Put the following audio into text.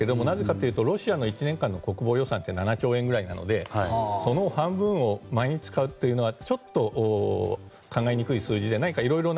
なぜかというとロシアの１年間の国防予算は７兆円なのでその半分を毎日使うというのはちょっと考えにくい数字じゃないかと。